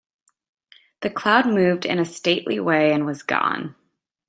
The cloud moved in a stately way and was gone.